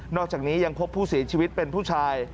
อกจากนี้ยังพบผู้เสียชีวิตเป็นผู้ชาย